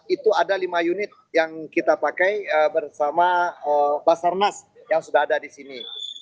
itu ada lima unit yang kita pakai bersama basarnas yang sudah ada di sini